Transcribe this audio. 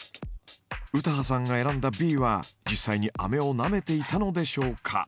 詩羽さんが選んだＢは実際にあめをなめていたのでしょうか？